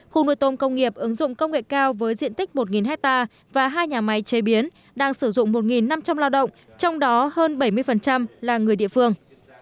khu nuôi tôm công nghiệp ứng dụng công nghệ cao với diện tích một hectare và hai nhà máy chế biến đang sử dụng một năm trăm linh lao động trong đó hơn bảy mươi là người địa phương